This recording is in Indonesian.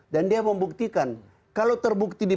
dan dia membuktikan kalau terbukti di